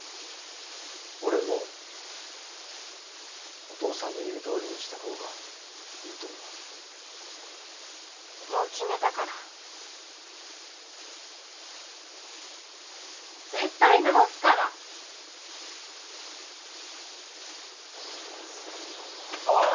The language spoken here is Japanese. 俺もお義父さんの言うとおりにした方がいいと思うもう決めたから絶対治すからおお！